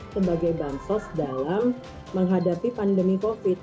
sebagai bansos dalam menghadapi pandemi covid sembilan belas